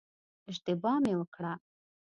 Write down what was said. اشتباه مې وکړه.